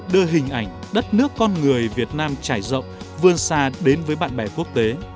đưa hình ảnh đất nước con người việt nam trải rộng vươn xa đến với bạn bè quốc tế